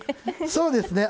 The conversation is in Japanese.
そうですね。